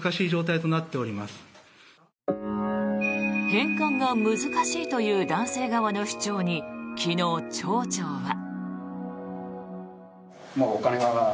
返還が難しいという男性側の主張に昨日、町長は。